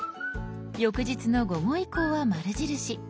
翌日の午後以降は丸印。